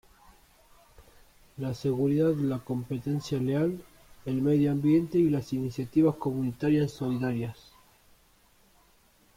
la seguridad, la competencia leal, el medio ambiente y las iniciativas comunitarias solidarias